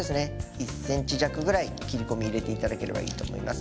１ｃｍ弱ぐらい切り込み入れて頂ければいいと思います。